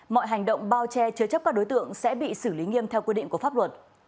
mọi hành động bao che chứa chấp các đối tượng sẽ bị xử lý nghiêm theo quy định của pháp luật